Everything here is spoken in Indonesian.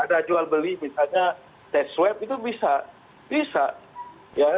ada jual beli misalnya test swab itu bisa